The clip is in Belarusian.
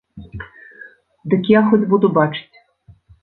Дык я хоць буду бачыць.